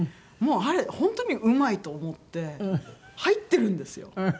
もうあれ本当にうまいと思って入ってるんですよ。